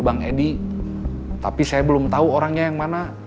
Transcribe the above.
bang edi tapi saya belum tahu orangnya yang mana